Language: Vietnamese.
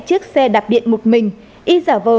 chiếc xe đạp điện một mình y giả vờ